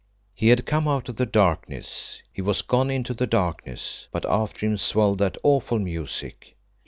He had come out of the darkness. He was gone into the darkness, but after him swelled that awful music.